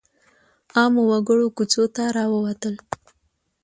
عامو وګړو کوڅو ته راووتل.